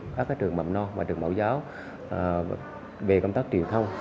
các trường mầm non và trường mẫu giáo về công tác truyền thông